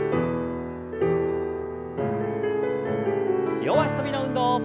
両脚跳びの運動。